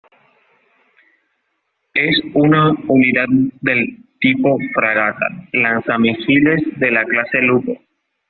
Es una unidad del tipo Fragata Lanzamisiles de la Clase Lupo.